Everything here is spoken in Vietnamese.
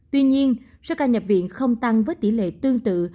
tuy nhiên số ca nhập viện không tăng với tỷ lệ tương tự